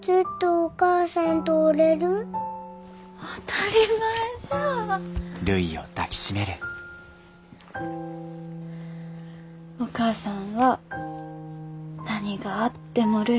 お母さんは何があってもるいを離さん。